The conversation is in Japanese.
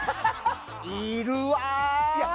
いるわー！